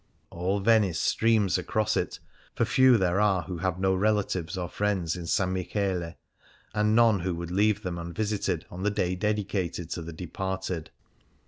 All Venice streams across it, for few there are who have no relatives or friends in S. Michele, and none who would leave them un visited on the day dedicated to the departed.